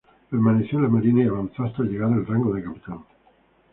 Permaneció en la marina y avanzó hasta llegar al rango de capitán.